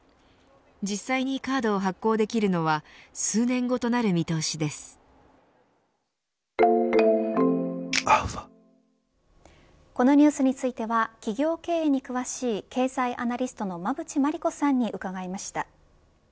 実際にカードを発行できるのはこのニュースについては企業経営に詳しい経済アナリストの馬渕磨理子さんに伺いました。